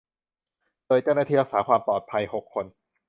โดยเจ้าหน้าที่รักษาความปลอดภัย หก คน